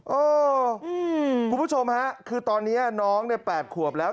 คุณผู้ชมฮะคือตอนนี้น้องเนี่ย๘ขวบแล้ว